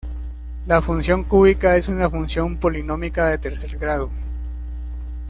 La función cúbica es una función polinómica de tercer grado.